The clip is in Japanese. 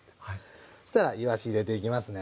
そしたらいわし入れていきますね。